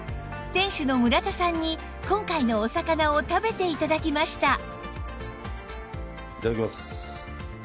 店主の村田さんに今回のお魚を食べて頂きました